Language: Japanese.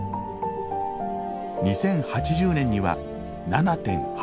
２０８０年には７．８。